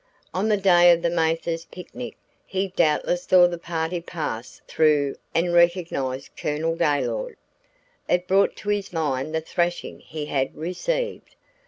On the day of the Mathers's picnic he doubtless saw the party pass through and recognized Colonel Gaylord. It brought to his mind the thrashing he had received.